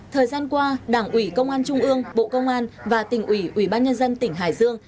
thời gian qua đảng ủy công an trung ương bộ công an và tỉnh ủy ubnd tỉnh hải dương